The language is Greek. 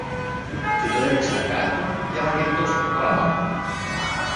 και το έριξα κάτω για να γλιτώσω το πράμα μου.